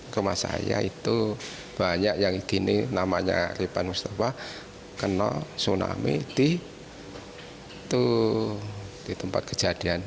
rumah saya itu banyak yang gini namanya ripan mustafa kena tsunami di tempat kejadian